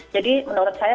jadi menurut saya